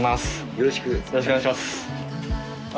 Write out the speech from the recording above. よろしくお願いします。